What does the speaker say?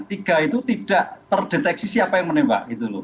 tiga itu tidak terdeteksi siapa yang menembak